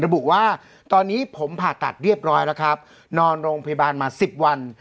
ระบุว่าตอนนี้ผมผ่าตัดเรียบร้อยแล้วครับนอนโรงพยาบาลมา๑๐วัน